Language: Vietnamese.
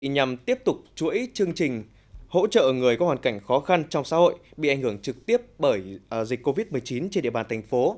nhằm tiếp tục chuỗi chương trình hỗ trợ người có hoàn cảnh khó khăn trong xã hội bị ảnh hưởng trực tiếp bởi dịch covid một mươi chín trên địa bàn thành phố